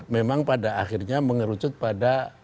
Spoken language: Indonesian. memang pada akhirnya mengerucut pada sosial media